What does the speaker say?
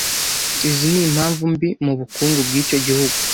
Izi n’impamvu mbi mubukungu bwicyo gihugu.